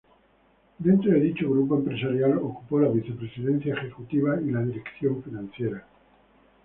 Dentro de dicho grupo empresarial ocupó la vicepresidencia ejecutiva y la dirección financiera.